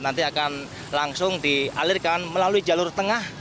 nanti akan langsung dialirkan melalui jalur tengah